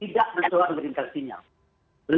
tidak mencoba mengerinkan sinyal